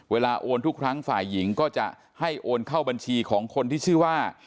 โอนทุกครั้งฝ่ายหญิงก็จะให้โอนเข้าบัญชีของคนที่ชื่อว่า